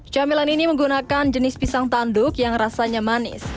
camilan ini menggunakan jenis pisang tanduk yang rasanya manis